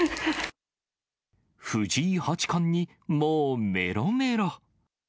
藤井八冠にもうめろめろ。